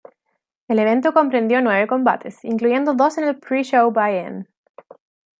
El evento comprendió nueve combates, incluyendo dos en el pre-show Buy In.